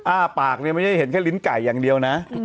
อ้าปากเนี่ยไม่ใช่เห็นแค่ลิ้นไก่อย่างเดียวนะ